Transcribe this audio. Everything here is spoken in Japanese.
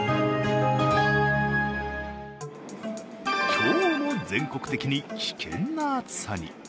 今日も全国的に危険な暑さに。